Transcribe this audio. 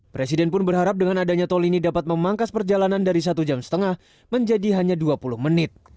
presiden pun berharap dengan adanya tol ini dapat memangkas perjalanan dari satu jam setengah menjadi hanya dua puluh menit